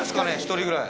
１人ぐらい。